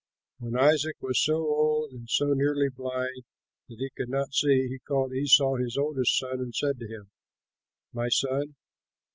When Isaac was so old and so nearly blind that he could not see, he called Esau his oldest son and said to him, "My son."